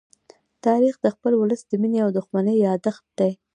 تاریخ د خپل ولس د مینې او دښمنۍ يادښت دی.